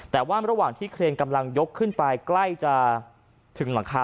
แต่ว่าระหว่างที่เครนกำลังยกขึ้นไปใกล้จะถึงหลังคา